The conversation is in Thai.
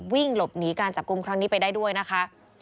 วิ่งหลบหนีการจับกลุ่มครั้งนี้ไปได้ด้วยนะคะ